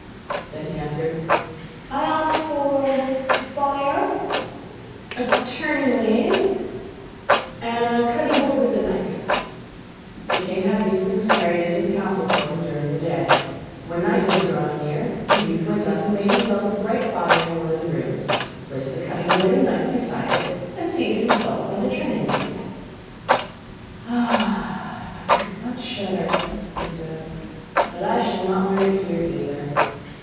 Then he answered: 'Then I ask for a fire, a turning lathe, and a cutting board with the knife.' The king had these things carried into the castle for him during the day. When night was drawing near, the youth went up and made himself a bright fire in one of the rooms, placed the cutting board and knife beside it, and seated himself by the turning lathe. 'Ah, if I could but shudder!' said he, 'but I shall not learn it here either.